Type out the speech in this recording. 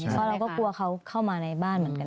เพราะเราก็กลัวเขาเข้ามาในบ้านเหมือนกัน